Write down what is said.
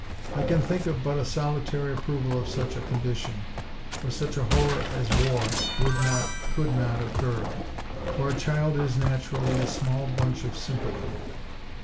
I can think of but a solitary approval of such a condition; for such a horror as war would not, could not occur; for a child is, naturally, a small bunch of sympathy.